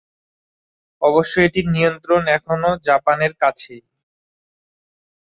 অবশ্য এটির নিয়ন্ত্রণ এখনো জাপানের কাছেই।